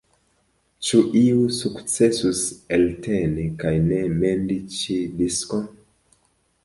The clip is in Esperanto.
Ĉu iu sukcesus elteni kaj ne mendi ĉi diskon?